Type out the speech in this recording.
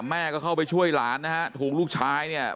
แม่ก็เข้าไปช่วยหลานนะฮะถูกลูกชายเนี่ย